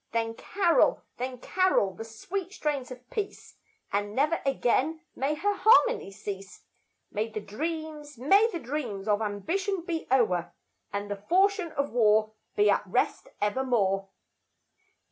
Then carol, then carol the sweet strains of peace, And never again may her harmony cease; May the dreams, may the dreams of ambition be o'er, And the falchion of war be at rest evermore.